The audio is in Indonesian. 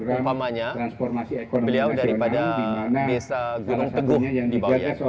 umpamanya beliau dari desa gunung teguh di bawean